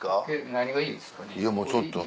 何がいいですかね？